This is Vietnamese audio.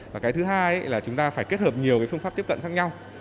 và cái thứ hai là chúng ta phải kết hợp nhiều phương pháp tiếp cận khác nhau